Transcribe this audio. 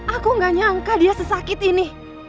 aku gak nyangka dia sesakit ini